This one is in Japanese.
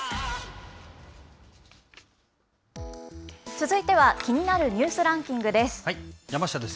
続いては、気になるニュースランキングです。